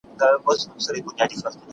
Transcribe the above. ملتونه به خلګو ته ازادي ورکړي.